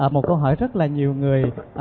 một câu hỏi rất là nhiều người